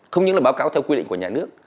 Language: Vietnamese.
không những là báo cáo theo quy định của nhà nước